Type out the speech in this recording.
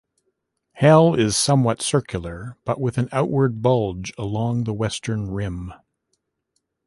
Hell is somewhat circular but with an outward bulge along the western rim.